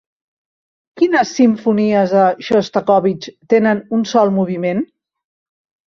Quines simfonies de Xostakóvitx tenen un sol moviment?